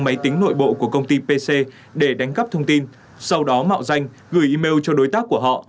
máy tính nội bộ của công ty pc để đánh cắp thông tin sau đó mạo danh gửi email cho đối tác của họ